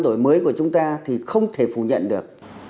đổi mới của chúng ta thì không thể phủ nhận được